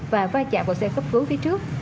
và va chạm vào xe cắp cứu phía trước